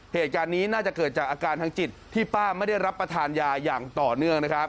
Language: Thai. เหตุการณ์นี้น่าจะเกิดจากอาการทางจิตที่ป้าไม่ได้รับประทานยาอย่างต่อเนื่องนะครับ